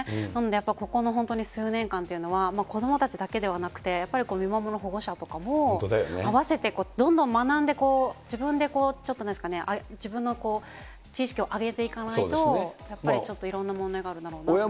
なので、ここの数年間というのは、子どもたちだけではなくて、やっぱり見守る保護者とかも、合わせてどんどん学んで、自分でこう、自分の知識を上げていかないと、やっぱりちょっといろんな問題があるんだろうなと。